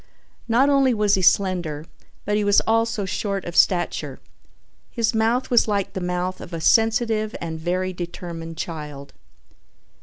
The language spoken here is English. Not only was he slender but he was also short of stature. His mouth was like the mouth of a sensitive and very determined child.